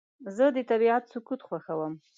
زه د طبیعت سکوت خوښوم.